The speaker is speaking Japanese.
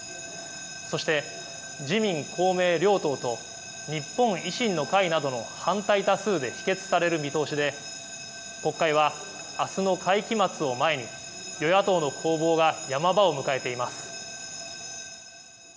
そして自民公明両党と日本維新の会などの反対多数で否決される見通しで国会はあすの会期末を前に与野党の攻防がヤマ場を迎えています。